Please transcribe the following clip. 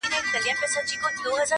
ادبي غونډه کي نيوکي وسوې,